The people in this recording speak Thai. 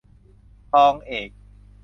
ทองเอก